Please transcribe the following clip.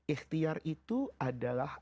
ikhtiar itu adalah